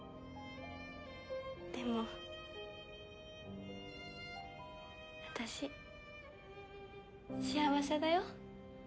でも私幸せだよ。